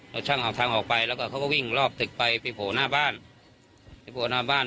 แล้วช่างทางออกไปแล้วก็เขาก็วิ่งรอบตึกไปไปโผ่หน้าบ้าน